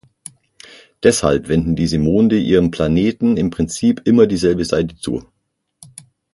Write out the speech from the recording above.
Deshalb wenden diese Monde ihrem Planeten im Prinzip immer dieselbe Seite zu.